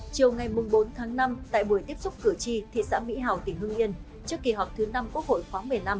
chiều ngày bốn tháng năm tại buổi tiếp xúc cử tri thị xã mỹ hào tỉnh hương yên trước kỳ họp thứ năm quốc hội khoáng một mươi năm